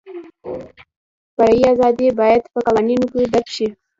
فري ازادۍ باید په قوانینو کې درج شي.